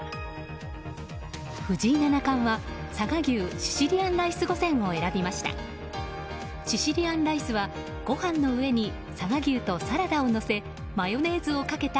藤井七冠は佐賀牛シシリアンライス御膳を選びました。